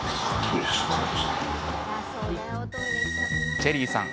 チェリーさん